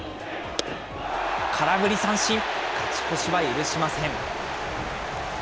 空振り三振、勝ち越しは許しません。